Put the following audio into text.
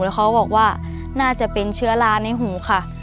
เขาบอกว่าน่าจะเป็นเชื้อราในหูค่ะ